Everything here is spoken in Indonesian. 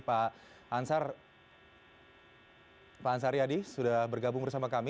pak ansar pak ansar yadi sudah bergabung bersama kami